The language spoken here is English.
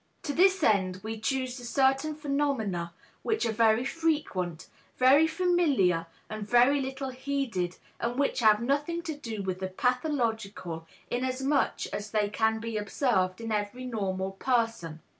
To this end we choose certain phenomena which are very frequent, very familiar and very little heeded, and which have nothing to do with the pathological, inasmuch as they can be observed in every normal person.